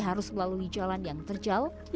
perjalanan sangat ekstrem